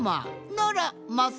ならます